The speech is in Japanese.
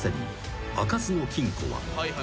［開かずの金庫は］